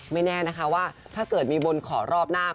แน่นะคะว่าถ้าเกิดมีบนขอรอบหน้า